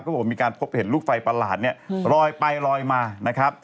ก็บอกว่ามีการพบเห็นลูกไฟประหลาดรอยไปรอยมา